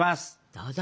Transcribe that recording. どうぞ。